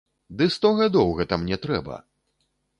Ды сто гадоў гэта мне трэба!